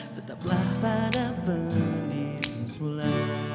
tetaplah pada pendirian semula